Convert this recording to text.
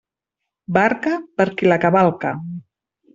Barca, per qui la cavalca.